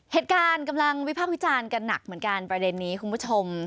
เหตุการณ์กำลังวิภาพวิจารณ์กันหนักเหมือนกันประเด็นนี้คุณผู้ชม